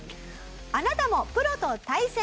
あなたもプロと対戦！